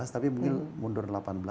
tapi mungkin mundur delapan belas